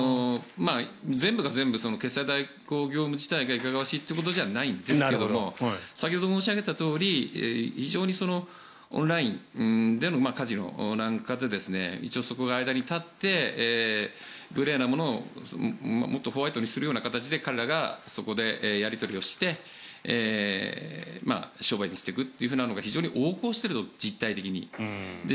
全部が全部、決済代行業務自体がいかがわしいということではないんですが先ほど申し上げたとおり非常にオンラインでのカジノなんかで一応、そこが間に立ってグレーなものをもっとホワイトにするような形で彼らがそこでやり取りをして商売にしていくというのが非常に横行していると実態的に。